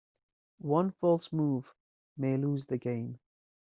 One false move may lose the game.